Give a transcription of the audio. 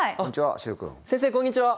先生こんにちは。